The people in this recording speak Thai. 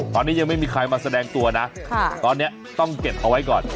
ตอนนี้ยังไม่มีใครมาแสดงตัวนะตอนนี้ต้องเก็บเอาไว้ก่อน